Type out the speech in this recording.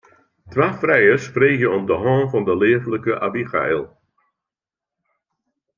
Twa frijers freegje om de hân fan de leaflike Abigail.